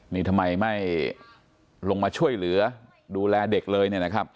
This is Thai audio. นี่ทำไมไม่ลงมาช่วยเหลือดูแลเด็กเลย